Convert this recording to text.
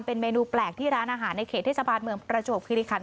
เป็นเมนูแปลกที่ร้านอาหารในเขตเทศบาลเมืองประจวบคิริคัน